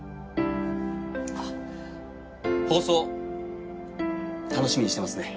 あっ放送楽しみにしてますね。